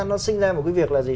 nó sinh ra một cái việc là gì